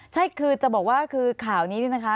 ใช่คือจะบอกว่าคือข่าวนี้นี่นะคะ